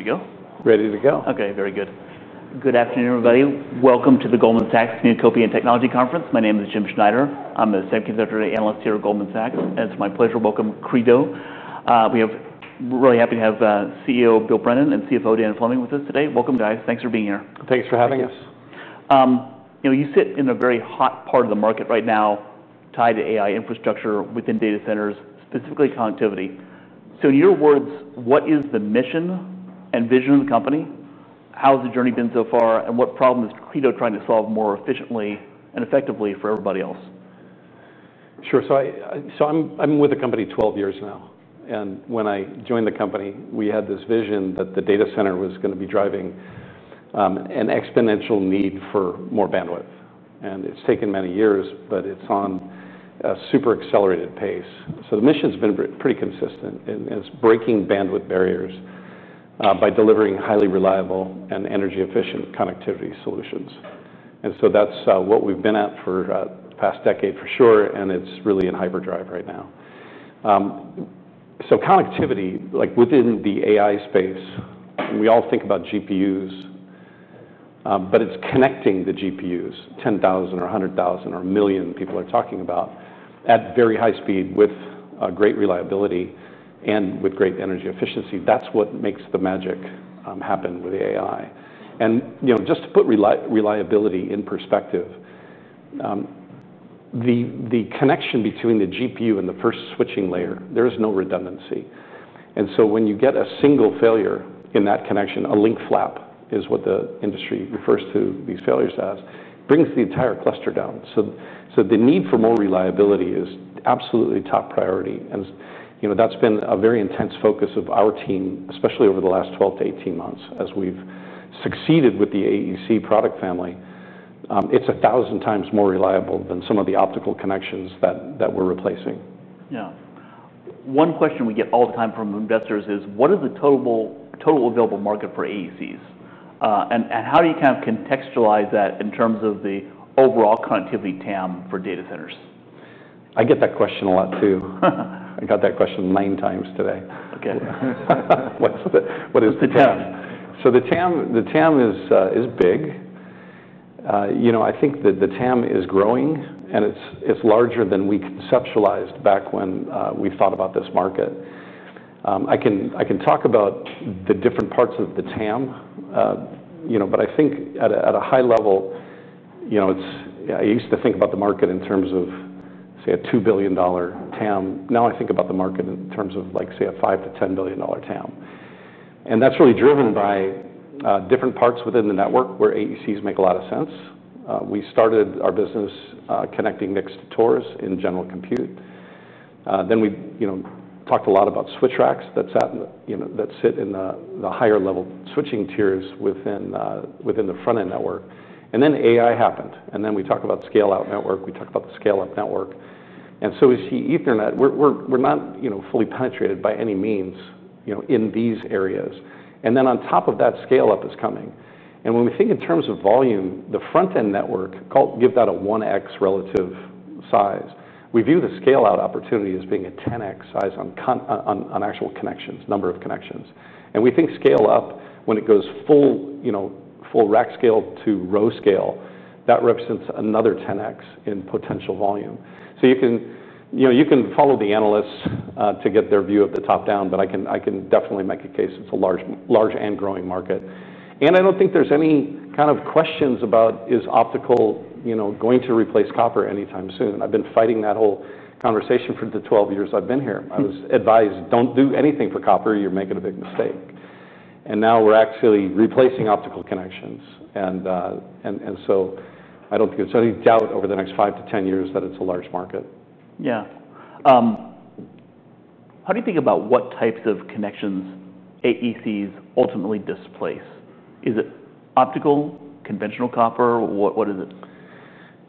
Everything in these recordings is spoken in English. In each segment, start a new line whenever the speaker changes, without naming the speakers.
Ready to go?
Ready to go.
Okay, very good. Good afternoon, everybody. Welcome to the Goldman Sachs New Copian Technology Conference. My name is Jim Schneider. I'm a Senior Equity Analyst here at Goldman Sachs, and it's my pleasure to welcome Credo. We are really happy to have CEO Bill Brennan and CFO Dan Fleming with us today. Welcome, guys. Thanks for being here.
Thanks for having us.
You sit in a very hot part of the market right now, tied to AI infrastructure within data centers, specifically connectivity. In your words, what is the mission and vision of the company? How has the journey been so far, and what problems is Credo trying to solve more efficiently and effectively for everybody else?
Sure. I'm with the company 12 years now, and when I joined the company, we had this vision that the data center was going to be driving an exponential need for more bandwidth. It's taken many years, but it's on a super accelerated pace. The mission's been pretty consistent and is breaking bandwidth barriers by delivering highly reliable and energy-efficient connectivity solutions. That's what we've been at for the past decade for sure, and it's really in hyperdrive right now. Connectivity, like within the AI space, we all think about GPUs, but it's connecting the GPUs 10,000 or 100,000 or 1 million people are talking about at very high speed with great reliability and with great energy efficiency. That's what makes the magic happen with AI. Just to put reliability in perspective, the connection between the GPU and the first switching layer, there is no redundancy. When you get a single failure in that connection, a link flap is what the industry refers to these failures as, brings the entire cluster down. The need for more reliability is absolutely top priority. That's been a very intense focus of our team, especially over the last 12 to 18 months, as we've succeeded with the AEC product family. It's a thousand times more reliable than some of the optical connections that we're replacing.
Yeah. One question we get all the time from investors is, what is the total addressable market for AECs? How do you kind of contextualize that in terms of the overall connectivity TAM for data centers?
I get that question a lot too. I got that question nine times today.
Okay.
What's the TAM? The TAM is big. I think that the TAM is growing, and it's larger than we conceptualized back when we thought about this market. I can talk about the different parts of the TAM, but I think at a high level, I used to think about the market in terms of, say, a $2 billion TAM. Now I think about the market in terms of, say, a $5 billion-$10 billion TAM. That's really driven by different parts within the network where AECs make a lot of sense. We started our business connecting next to TORs in general compute. Then we talked a lot about switch racks that sit in the higher level switching tiers within the front-end network. Then AI happened, and we talk about scale-out network. We talk about the scale-up network. We see Ethernet, we're not fully penetrated by any means in these areas. On top of that, scale-up is coming. When we think in terms of volume, the front-end network, give that a 1X relative size, we view the scale-out opportunity as being a 10X size on actual connections, number of connections. We think scale-up, when it goes full rack scale to row scale, that represents another 10X in potential volume. You can follow the analysts to get their view of the top down, but I can definitely make a case it's a large and growing market. I don't think there's any kind of questions about is optical going to replace copper anytime soon. I've been fighting that whole conversation for the 12 years I've been here. I was advised, don't do anything for copper, you're making a big mistake. Now we're actually replacing optical connections. I don't think there's any doubt over the next five to ten years that it's a large market.
How do you think about what types of connections AECs ultimately displace? Is it optical, conventional copper, what is it?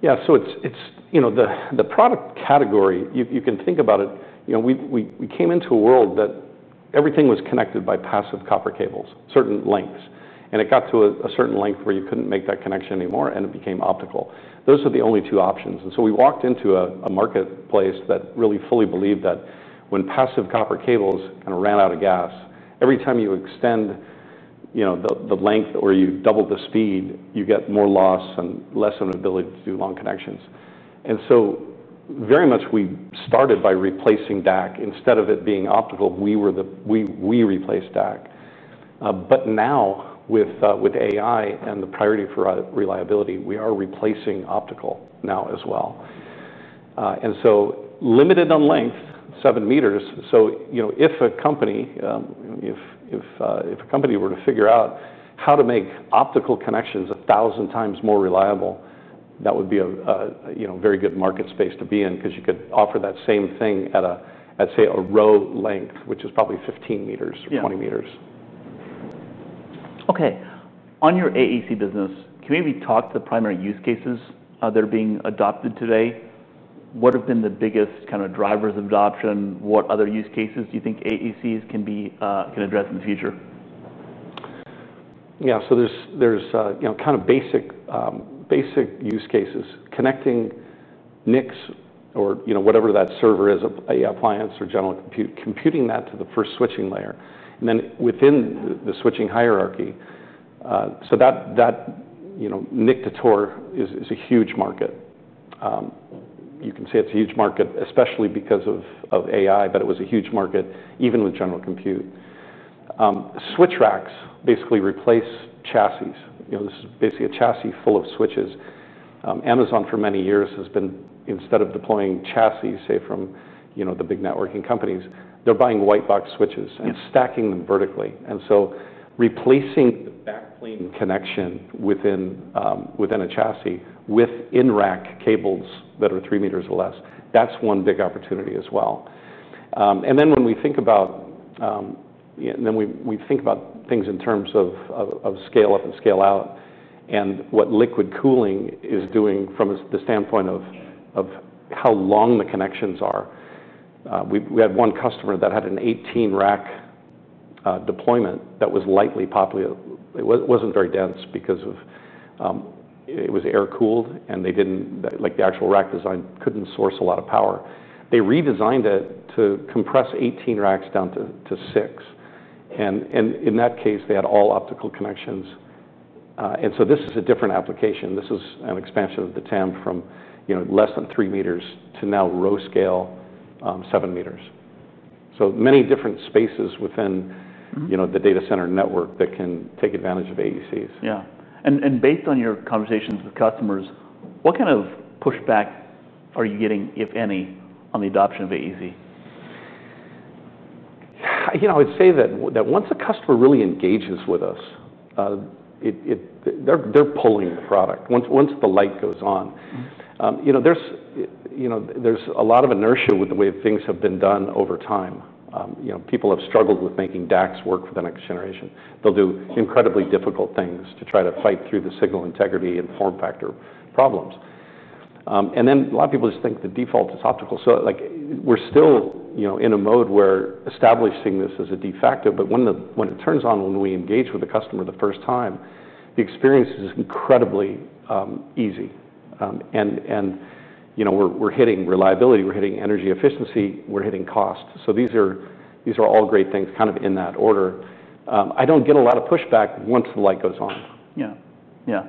Yeah, so it's, you know, the product category, you can think about it, you know, we came into a world that everything was connected by passive copper cables, certain lengths. It got to a certain length where you couldn't make that connection anymore, and it became optical. Those are the only two options. We walked into a marketplace that really fully believed that when passive copper cables kind of ran out of gas, every time you extend, you know, the length or you double the speed, you get more loss and less of an ability to do long connections. Very much we started by replacing DAC instead of it being optical. We replaced DAC. Now, with AI and the priority for reliability, we are replacing optical now as well. Limited on length, 7 m. If a company were to figure out how to make optical connections a thousand times more reliable, that would be a, you know, very good market space to be in because you could offer that same thing at a, say, a row length, which is probably `15 m or 20 m.
Okay. On your AEC business, can we maybe talk to the primary use cases that are being adopted today? What have been the biggest kind of drivers of adoption? What other use cases do you think AECs can address in the future?
Yeah, so there's kind of basic use cases, connecting NICs or whatever that server is, appliance or general compute, computing that to the first switching layer. Then within the switching hierarchy, NIC to TOR is a huge market. You can say it's a huge market, especially because of AI, but it was a huge market even with general compute. Switch racks basically replace chassis. This is basically a chassis full of switches. Amazon for many years has been, instead of deploying chassis, say, from the big networking companies, they're buying white box switches and stacking them vertically. Replacing the backlink connection within a chassis with in-rack cables that are 3 m or less, that's one big opportunity as well. When we think about things in terms of scale-up and scale-out and what liquid cooling is doing from the standpoint of how long the connections are, we had one customer that had an 18-rack deployment that was lightly populated. It wasn't very dense because it was air-cooled and the actual rack design couldn't source a lot of power. They redesigned it to compress 18 racks down to six. In that case, they had all optical connections. This is a different application. This is an expansion of the TAM from less than 3 m to now row scale 7 m. Many different spaces within the data center network can take advantage of AECs.
Based on your conversations with customers, what kind of pushback are you getting, if any, on the adoption of AEC?
I'd say that once a customer really engages with us, they're pulling the product. Once the light goes on, there's a lot of inertia with the way things have been done over time. People have struggled with making DACs work for the next generation. They'll do incredibly difficult things to try to fight through the signal integrity and form factor problems. A lot of people just think the default is optical. We're still in a mode where establishing this as a de facto. When it turns on, when we engage with a customer the first time, the experience is incredibly easy. We're hitting reliability, we're hitting energy efficiency, we're hitting cost. These are all great things, kind of in that order. I don't get a lot of pushback once the light goes on.
Yeah, yeah.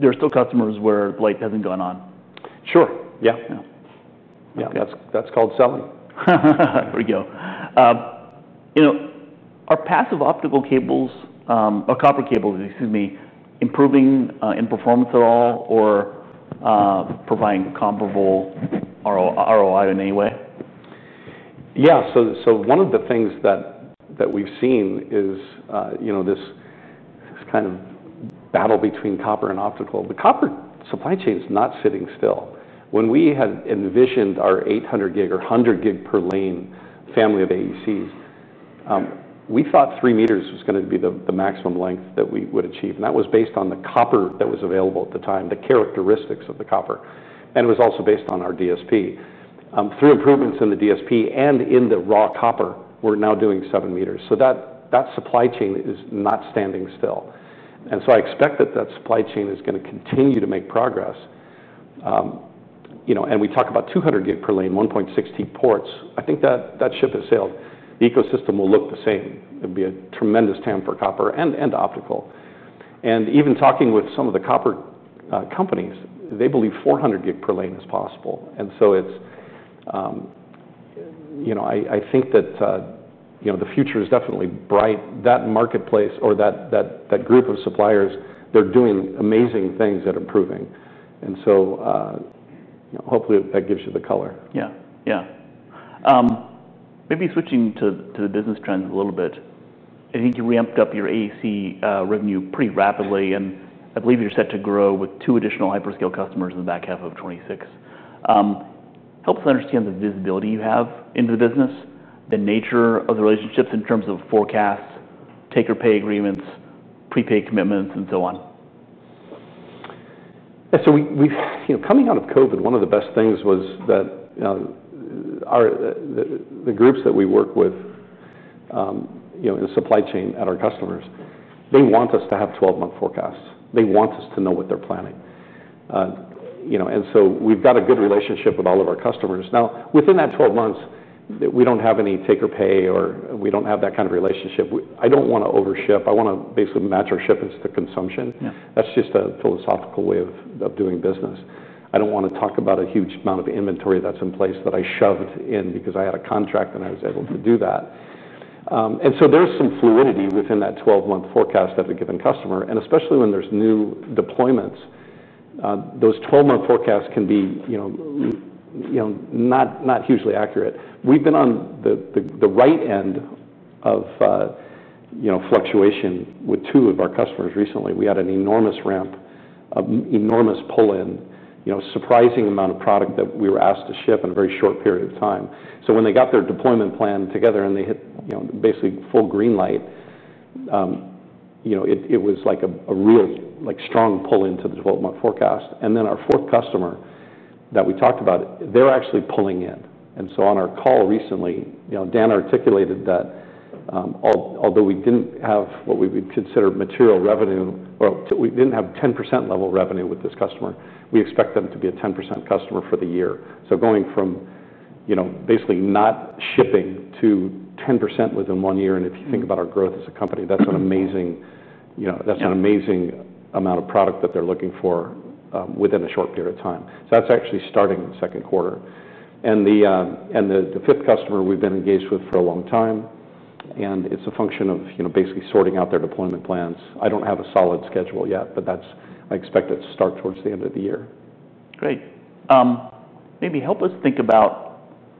There are still customers where the light hasn't gone on.
Sure, yeah. That's called selling.
There we go. Are passive optical cables, or copper cables, excuse me, improving in performance at all or providing comparable ROI in any way?
Yeah, so one of the things that we've seen is, you know, this kind of battle between copper and optical. The copper supply chain is not sitting still. When we had envisioned our 800 Gb or 100 Gb per lane family of AECs, we thought 3 m was going to be the maximum length that we would achieve. That was based on the copper that was available at the time, the characteristics of the copper. It was also based on our DSP. Through improvements in the DSP and in the raw copper, we're now doing 7 m. That supply chain is not standing still. I expect that supply chain is going to continue to make progress. We talk about 200 Gb per lane, 1.60 ports. I think that ship has sailed. The ecosystem will look the same. It'd be a tremendous TAM for copper and optical. Even talking with some of the copper companies, they believe 400 Gb per lane is possible. I think that the future is definitely bright. That marketplace or that group of suppliers, they're doing amazing things that are improving. Hopefully that gives you the color.
Maybe switching to the business trends a little bit. I think you ramped up your AEC revenue pretty rapidly. I believe you're set to grow with two additional hyperscale customers in the back half of 2026. Helps to understand the visibility you have into the business, the nature of the relationships in terms of forecasts, taker pay agreements, prepaid commitments, and so on.
Yeah, so we, you know, coming out of COVID, one of the best things was that the groups that we work with in the supply chain at our customers, they want us to have 12-month forecasts. They want us to know what they're planning, and so we've got a good relationship with all of our customers. Now, within that 12 months, we don't have any taker-pay or we don't have that kind of relationship. I don't want to overship. I want to basically match our shipments to consumption. That's just a philosophical way of doing business. I don't want to talk about a huge amount of inventory that's in place that I shoved in because I had a contract and I was able to do that. There's some fluidity within that 12-month forecast at a given customer, and especially when there's new deployments, those 12-month forecasts can be not hugely accurate. We've been on the right end of fluctuation with two of our customers recently. We had an enormous ramp, an enormous pull-in, a surprising amount of product that we were asked to ship in a very short period of time. When they got their deployment plan together and they hit basically full green light, it was like a real, strong pull into the 12-month forecast. Our fourth customer that we talked about, they're actually pulling in. On our call recently, Dan articulated that although we didn't have what we would consider material revenue, we didn't have 10% level revenue with this customer. We expect them to be a 10% customer for the year, going from basically not shipping to 10% within one year. If you think about our growth as a company, that's an amazing amount of product that they're looking for within a short period of time. That's actually starting in the second quarter. The fifth customer we've been engaged with for a long time, and it's a function of basically sorting out their deployment plans. I don't have a solid schedule yet, but I expect it to start towards the end of the year.
Great. Maybe help us think about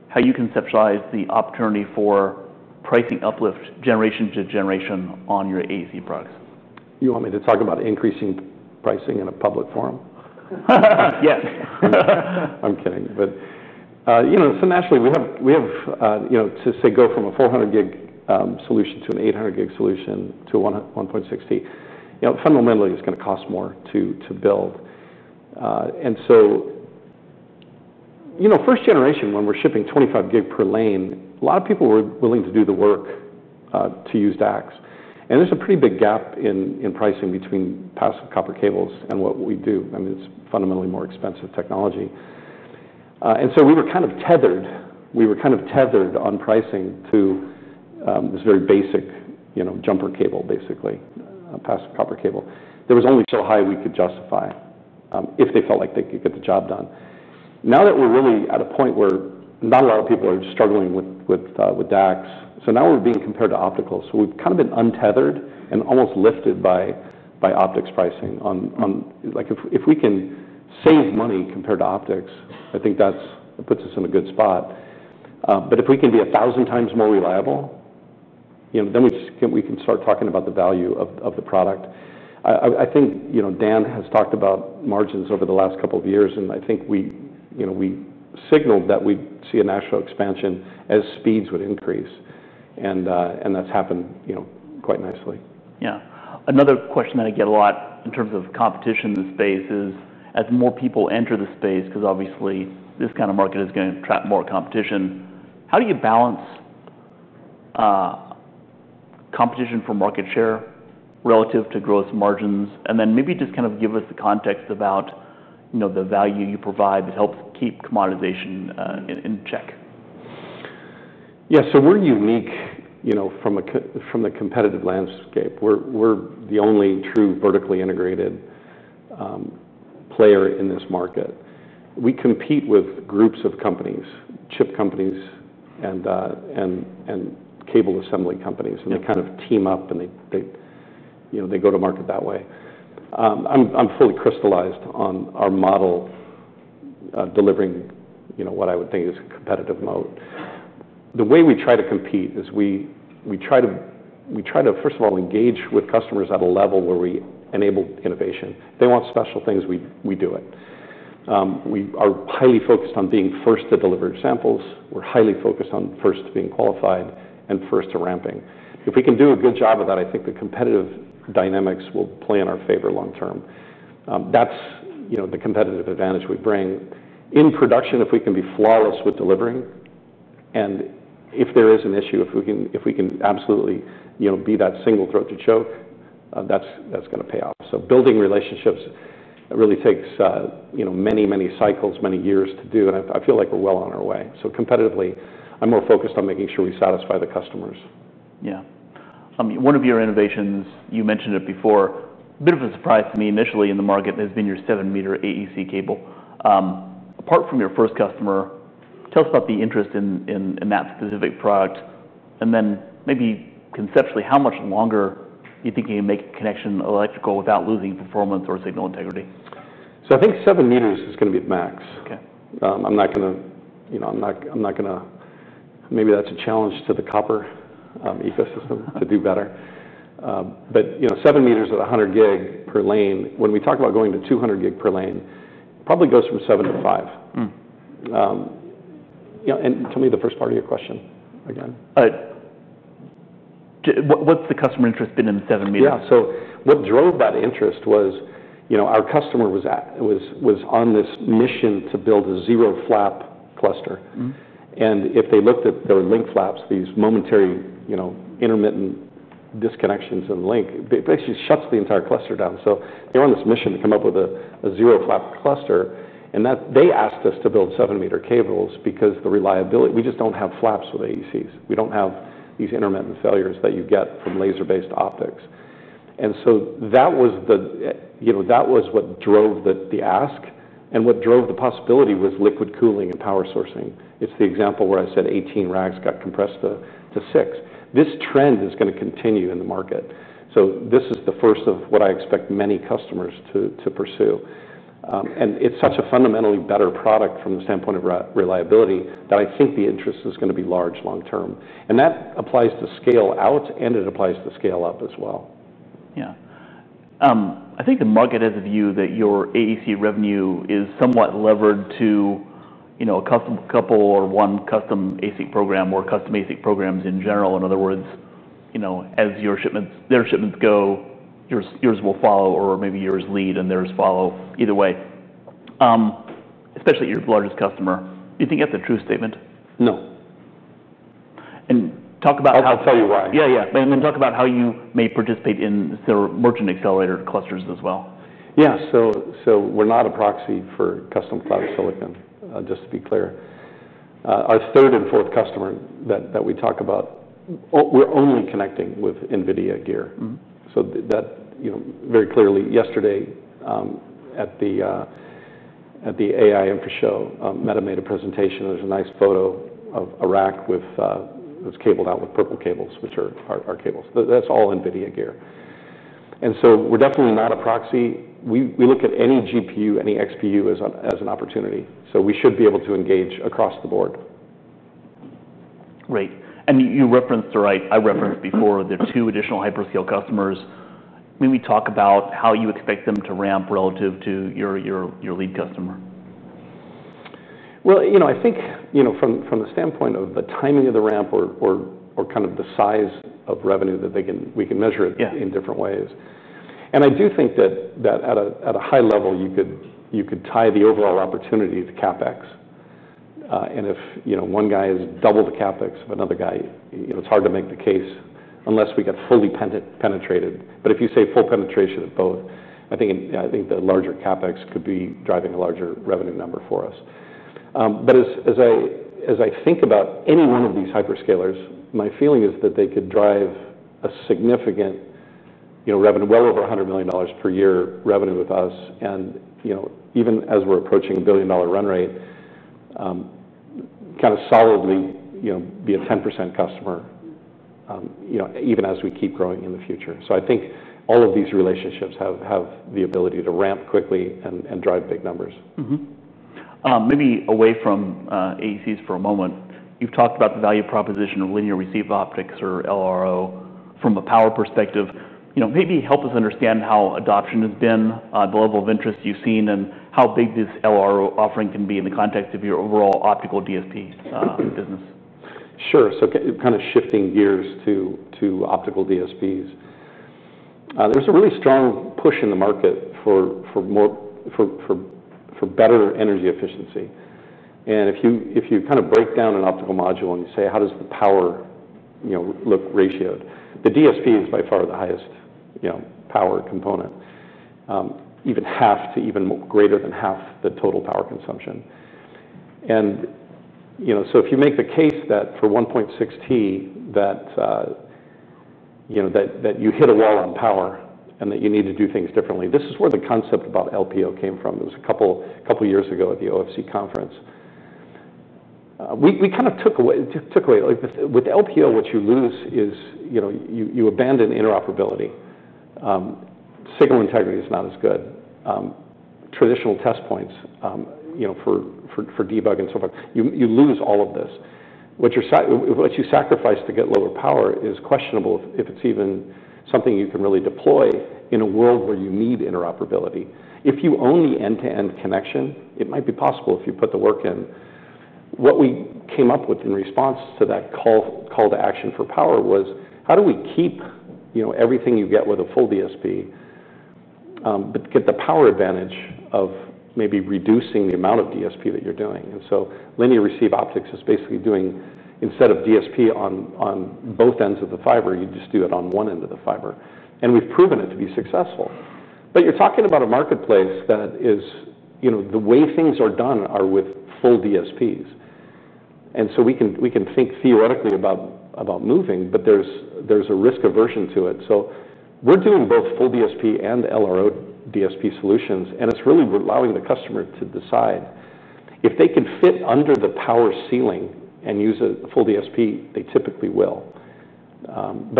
how you conceptualize the opportunity for pricing uplift generation to generation on your AECs products.
You want me to talk about increasing pricing in a public forum?
Yes.
I'm kidding. Naturally, we have to say go from a 400 Gb solution to an 800 Gb solution to a 1.60 ports, you know, fundamentally it's going to cost more to build. First generation, when we're shipping 25 Gb per lane, a lot of people were willing to do the work to use DACs. There's a pretty big gap in pricing between passive copper cables and what we do. I mean, it's fundamentally more expensive technology. We were kind of tethered on pricing to this very basic, you know, jumper cable, basically, passive copper cable. There was only so high we could justify if they felt like they could get the job done. Now that we're really at a point where not a lot of people are struggling with DACs, now we're being compared to optical. We've kind of been untethered and almost lifted by optics pricing on, like, if we can save money compared to optics, I think that puts us in a good spot. If we can be a thousand times more reliable, then we can start talking about the value of the product. I think Dan has talked about margins over the last couple of years, and I think we signaled that we'd see a national expansion as speeds would increase. That's happened quite nicely.
Another question that I get a lot in terms of competition in this space is, as more people enter the space, because obviously this kind of market is going to attract more competition, how do you balance competition for market share relative to gross margins? Maybe just kind of give us the context about, you know, the value you provide that helps keep commoditization in check.
Yeah, so we're unique from the competitive landscape. We're the only true vertically integrated player in this market. We compete with groups of companies, chip companies, and cable assembly companies, and they kind of team up and they go to market that way. I'm fully crystallized on our model delivering what I would think is a competitive mode. The way we try to compete is we try to, first of all, engage with customers at a level where we enable innovation. They want special things, we do it. We are highly focused on being first to deliver samples. We're highly focused on first to being qualified and first to ramping. If we can do a good job of that, I think the competitive dynamics will play in our favor long term. That's the competitive advantage we bring. In production, if we can be flawless with delivering, and if there is an issue, if we can absolutely be that single throat to choke, that's going to pay off. Building relationships really takes many, many cycles, many years to do, and I feel like we're well on our way. Competitively, I'm more focused on making sure we satisfy the customers.
Yeah. One of your innovations, you mentioned it before, a bit of a surprise to me initially in the market has been your 7 m AEC cable. Apart from your first customer, tell us about the interest in that specific product, and then maybe conceptually how much longer you think you can make a connection electrical without losing performance or signal integrity.
I think 7 m is going to be the max.
Okay.
I'm not going to, maybe that's a challenge to the copper ecosystem to do better. 7 m at 100 Gb per lane, when we talk about going to 200 Gb per lane, it probably goes from seven to five. Tell me the first part of your question again.
What's the customer interest been in 7 m?
Yeah, so what drove that interest was, you know, our customer was on this mission to build a zero flap cluster. If they looked at their link flaps, these momentary, intermittent disconnections in the link, it basically shuts the entire cluster down. They're on this mission to come up with a zero flap cluster, and they asked us to build 7 m cables because the reliability, we just don't have flaps with AECs. We don't have these intermittent failures that you get from laser-based optics. That was what drove the ask. What drove the possibility was liquid cooling and power sourcing. It's the example where I said 18 racks got compressed to six. This trend is going to continue in the market. This is the first of what I expect many customers to pursue. It's such a fundamentally better product from the standpoint of reliability that I think the interest is going to be large long term. That applies to scale out and it applies to scale up as well.
I think the market has a view that your AEC revenue is somewhat levered to, you know, a couple or one custom AEC program or custom AEC programs in general. In other words, as your shipments, their shipments go, yours will follow or maybe yours lead and theirs follow either way. Especially your largest customer. Do you think that's a true statement?
No.
Talk about how.
I'll tell you why.
Yeah. Talk about how you may participate in, say, merchant accelerator clusters as well.
Yeah, we're not a proxy for custom cloud silicon, just to be clear. Our third and fourth customer that we talk about, we're only connecting with NVIDIA gear. That, you know, very clearly yesterday at the AI Infra Show, Meta made a presentation. There's a nice photo of a rack with, it was cabled out with purple cables, which are our cables. That's all NVIDIA gear. We're definitely not a proxy. We look at any GPU, any XPU as an opportunity. We should be able to engage across the board.
Right. You referenced or I referenced before the two additional hyperscale customers. Maybe talk about how you expect them to ramp relative to your lead customer.
I think, from the standpoint of the timing of the ramp or kind of the size of revenue that they can, we can measure it in different ways. I do think that at a high level, you could tie the overall opportunity to CapEx. If one guy is double the CapEx of another guy, it's hard to make the case unless we get fully penetrated. If you say full penetration at both, I think the larger CapEx could be driving a larger revenue number for us. As I think about any one of these hyperscalers, my feeling is that they could drive a significant revenue, well over $100 million per year revenue with us. Even as we're approaching $1 billion run rate, kind of solidly, be a 10% customer, even as we keep growing in the future. I think all of these relationships have the ability to ramp quickly and drive big numbers.
Maybe away from AECs for a moment, you've talked about the value proposition of Linear Receive Optics or LRO from a power perspective. Maybe help us understand how adoption has been, the level of interest you've seen, and how big this LRO offering can be in the context of your overall Optical DSP business.
Sure. Kind of shifting gears to optical DSPs, there's a really strong push in the market for better energy efficiency. If you break down an optical module and you say, how does the power look ratioed, the DSP is by far the highest power component, even half to even greater than half the total power consumption. If you make the case that for 1.6T, that you hit a wall on power and that you need to do things differently, this is where the concept about LPO came from. It was a couple of years ago at the OFC conference. We took away with LPO, what you lose is, you abandon interoperability. Signal integrity is not as good. Traditional test points for debug and so forth, you lose all of this. What you sacrifice to get lower power is questionable if it's even something you can really deploy in a world where you need interoperability. If you own the end-to-end connection, it might be possible if you put the work in. What we came up with in response to that call to action for power was how do we keep everything you get with a full DSP, but get the power advantage of maybe reducing the amount of DSP that you're doing. Linear Receive Optics is basically doing, instead of DSP on both ends of the fiber, you just do it on one end of the fiber. We've proven it to be successful. You're talking about a marketplace that is, the way things are done are with full DSPs. We can think theoretically about moving, but there's a risk aversion to it. We're doing both full DSP and LRO DSP solutions, and it's really allowing the customer to decide. If they can fit under the power ceiling and use a full DSP, they typically will.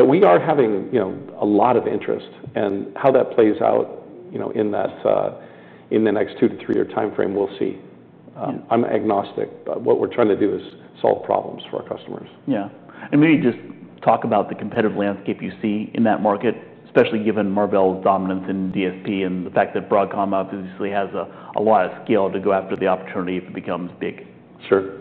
We are having a lot of interest and how that plays out in the next two to three year timeframe, we'll see. I'm agnostic, but what we're trying to do is solve problems for our customers.
Maybe just talk about the competitive landscape you see in that market, especially given Marvell's dominance in DSP and the fact that Broadcom obviously has a lot of scale to go after the opportunity if it becomes big.
Sure.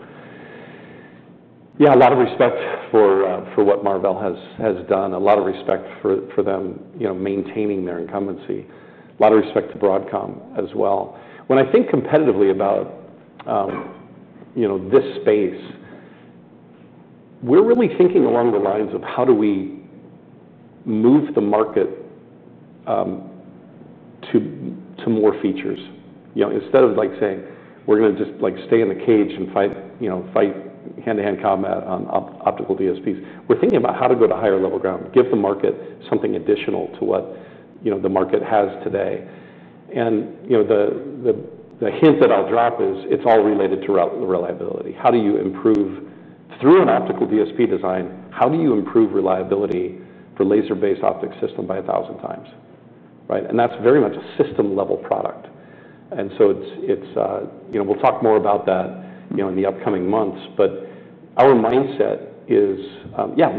Yeah, a lot of respect for what Marvell has done, a lot of respect for them, you know, maintaining their incumbency, a lot of respect to Broadcom as well. When I think competitively about, you know, this space, we're really thinking along the lines of how do we move the market to more features. Instead of saying we're going to just stay in the cage and fight, you know, fight hand-to-hand combat on optical DSPs, we're thinking about how to go to higher level ground, give the market something additional to what, you know, the market has today. The hint that I'll drop is it's all related to reliability. How do you improve, through an optical DSP design, how do you improve reliability for a laser-based optic system by a thousand times? Right? That's very much a system-level product. We'll talk more about that in the upcoming months, but our mindset is, yeah,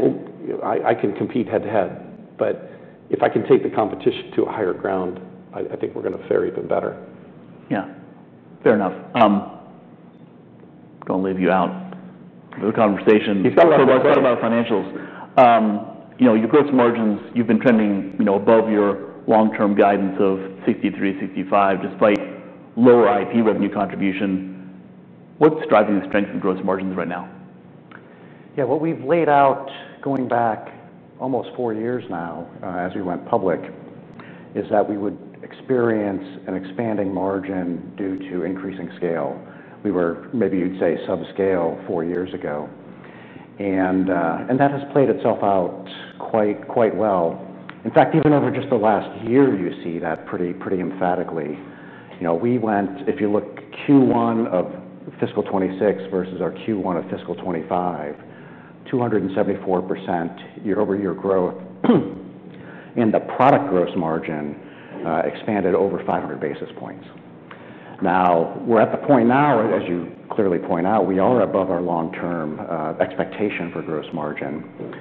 I can compete head-to-head, but if I can take the competition to a higher ground, I think we're going to fare even better.
Yeah, fair enough. Don't leave you out. The conversation is not about financials. You know, your gross margins, you've been trending, you know, above your long-term guidance of 63% to 65% despite lower IP revenue contribution. What's driving the strength of gross margins right now?
Yeah, what we've laid out going back almost four years now as we went public is that we would experience an expanding margin due to increasing scale. We were maybe, you'd say, sub-scale four years ago. That has played itself out quite, quite well. In fact, even over just the last year, you see that pretty, pretty emphatically. You know, we went, if you look, Q1 of fiscal 2026 versus our Q1 of fiscal 2025, 274% year-over-year growth. The product gross margin expanded over 500 basis points. Now we're at the point now, as you clearly point out, we are above our long-term expectation for gross margin.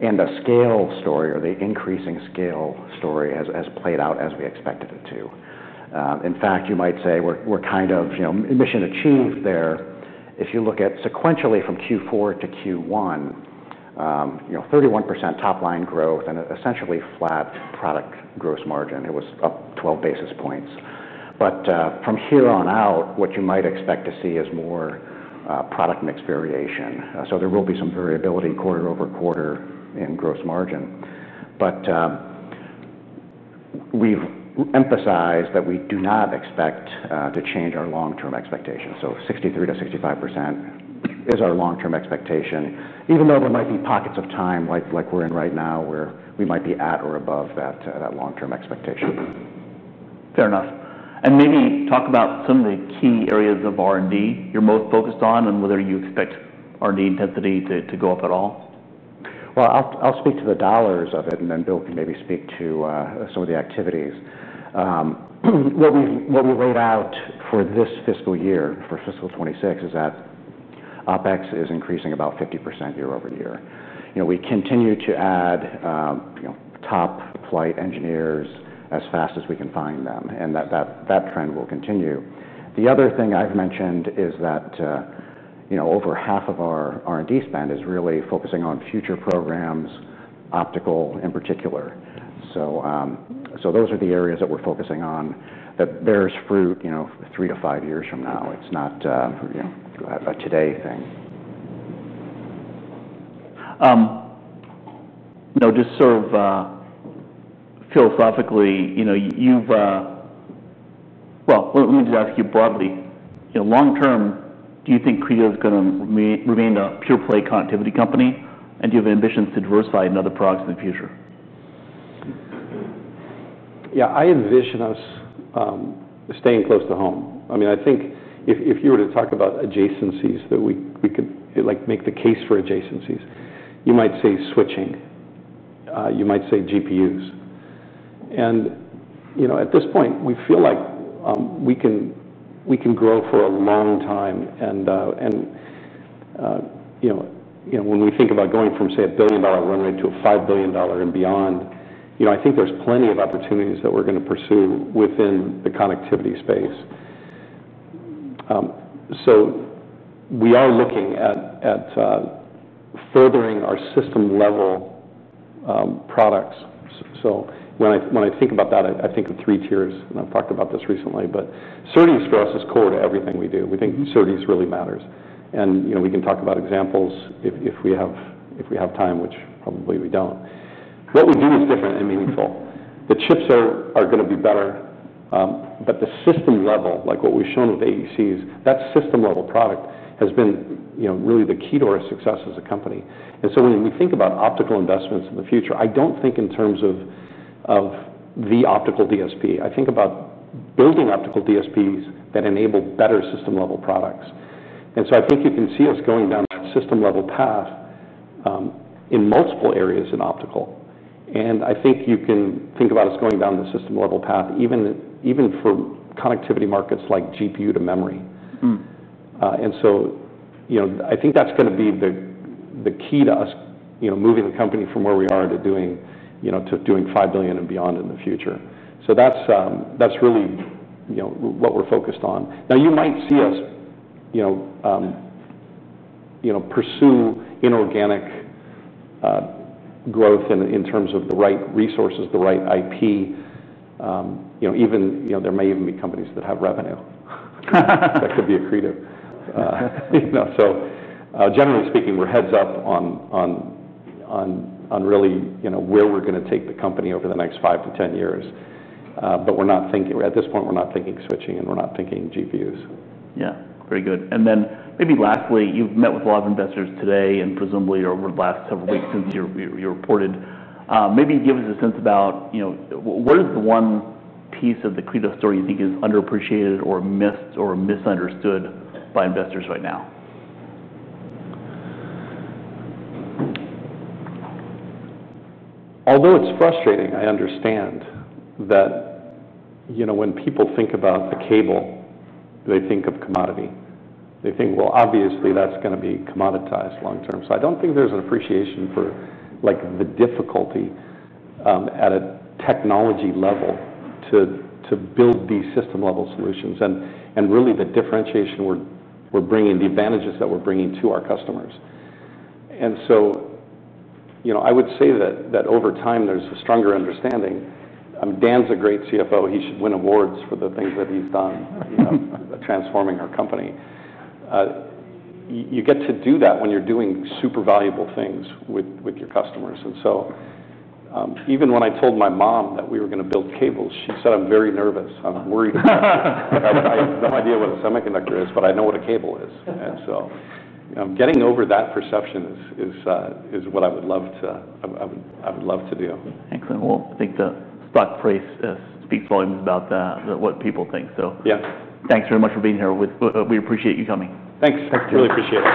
The scale story or the increasing scale story has played out as we expected it to. In fact, you might say we're kind of, you know, mission achieved there. If you look at sequentially from Q4 to Q1, 31% top line growth and essentially flat product gross margin. It was up 12 basis points. From here on out, what you might expect to see is more product mix variation. There will be some variability quarter-over-quarter in gross margin. We've emphasized that we do not expect to change our long-term expectation. 63% to 65% is our long-term expectation, even though there might be pockets of time like we're in right now where we might be at or above that long-term expectation.
Fair enough. Maybe talk about some of the key areas of R&D you're most focused on and whether you expect R&D intensity to go up at all.
I'll speak to the dollars of it and then Bill can maybe speak to some of the activities. What we've laid out for this fiscal year, for fiscal 2026, is that OpEx is increasing about 50% year-over-year. We continue to add top flight engineers as fast as we can find them, and that trend will continue. The other thing I've mentioned is that over half of our R&D spend is really focusing on future programs, optical in particular. Those are the areas that we're focusing on. That bears fruit three to five years from now. It's not a today thing.
Now, just sort of philosophically, you know, you've, let me just ask you broadly. You know, long term, do you think Credo is going to remain a pure-play connectivity company? Do you have ambitions to diversify into other products in the future?
Yeah, I envision us staying close to home. I mean, I think if you were to talk about adjacencies that we could make the case for adjacencies, you might say switching, you might say GPUs. At this point, we feel like we can grow for a long time. When we think about going from, say, $1 billion run rate to a $5 billion and beyond, I think there's plenty of opportunities that we're going to pursue within the connectivity space. We are looking at furthering our system-level products. When I think about that, I think in three tiers, and I've talked about this recently, but certainly stress is core to everything we do. We think certainly really matters. We can talk about examples if we have time, which probably we don't. What we do is different and meaningful. The chips are going to be better. The system level, like what we've shown with AECs, that system-level product has been really the key to our success as a company. When we think about optical investments in the future, I don't think in terms of the Optical DSP. I think about building Optical DSPs that enable better system-level products. I think you can see us going down a system-level path in multiple areas in optical. I think you can think about us going down the system-level path, even for connectivity markets like GPU to memory. I think that's going to be the key to us moving the company from where we are to doing $5 billion and beyond in the future. That's really what we're focused on. You might see us pursue inorganic growth in terms of the right resources, the right IP. There may even be companies that have revenue that could be a Credo. Generally speaking, we're heads up on really where we're going to take the company over the next five to ten years. We're not thinking, at this point, we're not thinking switching and we're not thinking GPUs.
Very good. Maybe lastly, you've met with a lot of investors today and presumably over the last several weeks since you reported. Maybe give us a sense about what is the one piece of the Credo story you think is underappreciated or missed or misunderstood by investors right now?
Although it's frustrating, I understand that, you know, when people think about the cable, they think of commodity. They think, obviously that's going to be commoditized long term. I don't think there's an appreciation for the difficulty at a technology level to build these system-level solutions. Really, the differentiation we're bringing, the advantages that we're bringing to our customers. I would say that over time there's a stronger understanding. Dan's a great CFO. He should win awards for the things that he's done, transforming our company. You get to do that when you're doing super valuable things with your customers. Even when I told my mom that we were going to build cables, she said, "I'm very nervous. I'm worried about it. I have no idea what a semiconductor is, but I know what a cable is." Getting over that perception is what I would love to do.
Excellent. I think the stock price speaks volumes about what people think. Thank you very much for being here. We appreciate you coming.
Thanks. I really appreciate it.